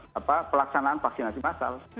dan pada situasi pelaksanaan vaksinasi massal